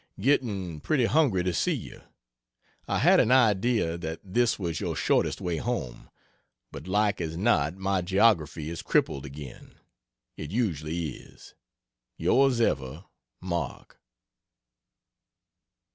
Getting pretty hungry to see you. I had an idea that this was your shortest way home, but like as not my geography is crippled again it usually is. Yrs ever MARK.